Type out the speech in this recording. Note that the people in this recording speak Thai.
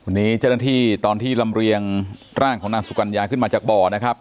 วันนี้เจ้าหน้าที่ตอนที่ลำเรียงร่างของนางสุกัญญาขึ้นมาจากบ่อนะครับ